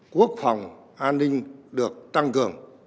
quốc phòng an ninh được tăng cường